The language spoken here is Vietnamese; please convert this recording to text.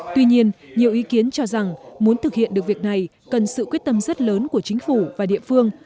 tuy nhiên nhiều ý kiến cho rằng muốn thực hiện được việc này cần sự quyết tâm rất lớn của chính phủ và địa phương